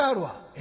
「え？」。